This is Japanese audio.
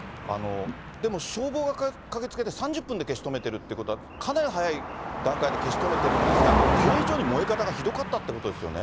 でも消防が駆けつけて３０分で消し止めているということは、かなり早い段階で消し止めてるんですが、それ以上に燃え方がひどかったということですよね。